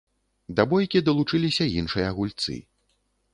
Да бойкі далучыліся іншыя гульцы.